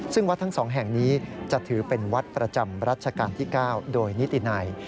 ซึ่งวัดทั้ง๒แห่งนี้จะถือเป็นวัดประจำรัชกาลที่๙โดยนิตินัย